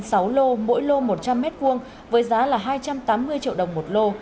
tân đã giao cho nạn nhân sáu lô mỗi lô một trăm linh m hai với giá hai trăm tám mươi triệu đồng một lô